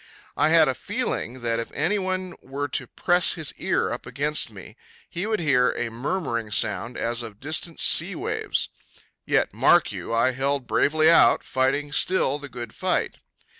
I had a feeling that if anyone were to press his ear up against me he would hear a murmuring sound as of distant sea waves. Yet, mark you, I held bravely out, fighting still the good fight.